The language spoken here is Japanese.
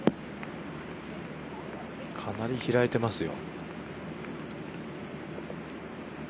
かなり開いてますよ。